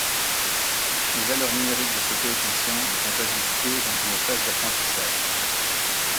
Les valeurs numériques de ces coefficients sont ajustées dans une phase d'apprentissage.